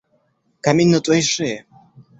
Камень на твоей шее.